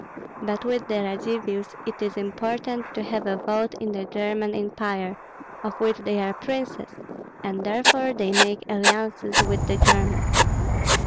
But with the Radzivills it is important to have a vote in the German Empire, of which they are princes, and therefore they make alliances with the Germans.